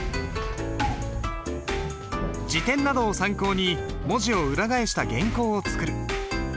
字典などを参考に文字を裏返した原稿を作る。